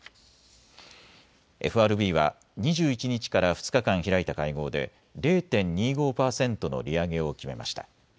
ＦＲＢは２１日から２日間開いた会合で０．２５％の利上げを決めました。